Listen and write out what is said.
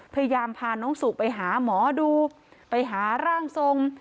พยายามพาน้องสุไปหาหมอดูไปหาร่างทรง